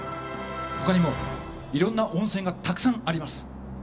他にもいろんな温泉がたくさんあります。